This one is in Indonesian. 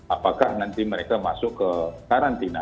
apakah nanti mereka masuk ke karantina